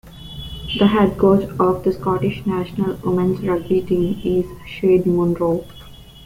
The head coach of the Scottish national women's rugby team is Shade Munro.